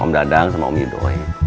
om dadang sama om midoy